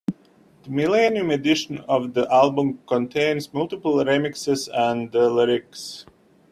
The millennium edition of the album contains multiple remixes and the lyrics.